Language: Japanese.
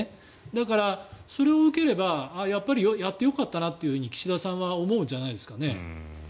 だから、それを受ければやっぱりやってよかったなって岸田さんは思うんじゃないですかね。